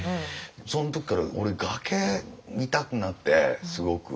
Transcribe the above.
そん時から俺崖見たくなってすごく。